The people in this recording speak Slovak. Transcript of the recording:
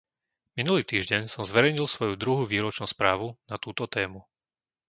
Minulý týždeň som zverejnil svoju druhú výročnú správu na túto tému.